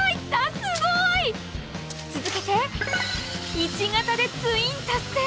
すごい！続けて１型でツイン達成！